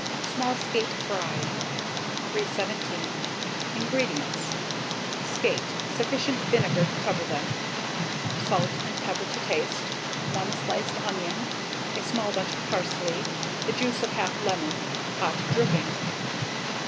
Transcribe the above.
SMALL SKATE FRIED. 317. INGREDIENTS. Skate, sufficient vinegar to cover them, salt and pepper to taste, 1 sliced onion, a small bunch of parsley, the juice of 1/2 lemon, hot dripping.